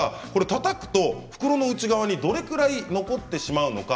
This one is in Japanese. たたくと袋の内側にどれくらい残ってしまうのか